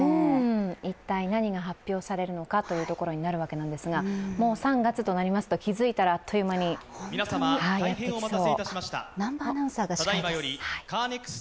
一体何が発表されるのかというところになるわけなんですが、もう３月となりますと気づいたらあっという間にやってきそう。